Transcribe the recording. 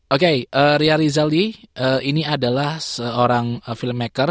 oke ria rizali ini adalah seorang filmmaker